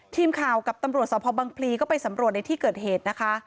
ทีมข่าวกับตำรวจสพบังพลีก็ไปสำรวจในที่เกิดเหตุนะคะ